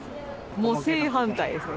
もう正反対ですね。